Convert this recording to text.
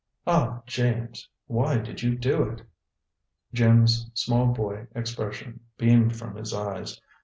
"Ah, James! Why did you do it?" Jim's small boy expression beamed from his eyes.